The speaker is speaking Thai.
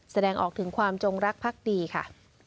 แสดงออกถึงความจงรักพักดีค่ะ